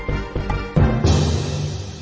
โปรดติดตามตอนต่อไป